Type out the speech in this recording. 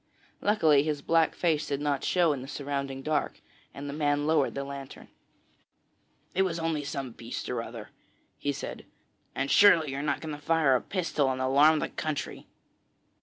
Luckily his black face did not show in the surrounding dark, and the man lowered the lantern. 'It was only some beast or other,' he said, 'and surely you are not going to fire a pistol and alarm the country?'